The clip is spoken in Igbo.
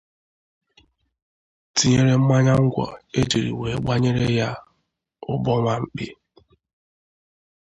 tinyere mmanya ngwọ e jiri wee gbanyere ya ụgbọ nwamkpi.